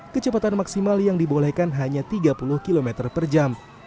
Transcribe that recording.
kecepatan maksimal yang dibolehkan hanya tiga puluh km per jam